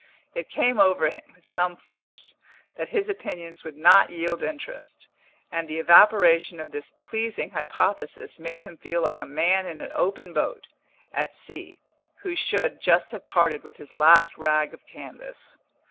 It came over him with some force that his opinions would not yield interest, and the evaporation of this pleasing hypothesis made him feel like a man in an open boat, at sea, who should just have parted with his last rag of canvas.